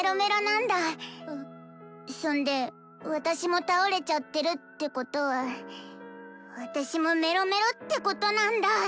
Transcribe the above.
そんで私も倒れちゃってるってことは私もメロメロってことなんだ！